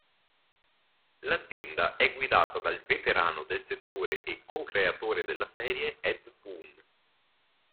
L'azienda è guidata dal veterano del settore e co-creatore della serie, Ed Boon.